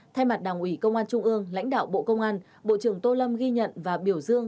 thay mặt đảng ủy công an trung ương lãnh đạo bộ công an bộ trưởng tô lâm ghi nhận và biểu dương